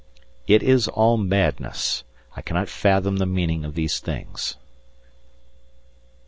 It is all madness; I cannot fathom the meaning of these things.